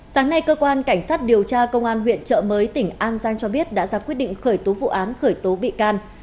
sáng nay cơ quan cảnh sát điều tra công an huyện trợ mới tỉnh an giang cho biết đã ra quyết định khởi tố vụ án khởi tố bị can